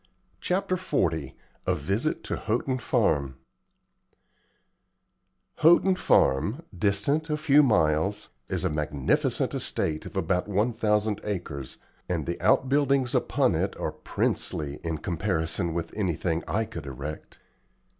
CHAPTER XL A VISIT TO HOUGHTON FARM Houghton Farm, distant a few miles, is a magnificent estate of about one thousand acres, and the outbuildings upon it are princely in comparison with anything I could erect.